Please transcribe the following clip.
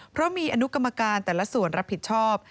เพราะมีอนุกรรมการแต่ละส่วนรับผิดชอบ